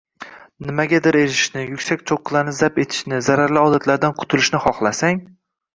nimagadir erishishni, yuksak cho‘qqilarni zabt etishni, zararli odatlardan qutulishni xohlasang